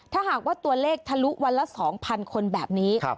ถ้าหากว่าตัวเลขทะลุวันละ๒๐๐คนแบบนี้